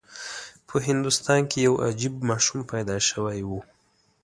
په هندوستان کې یو عجیب ماشوم پیدا شوی و.